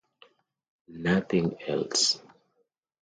Nothing else.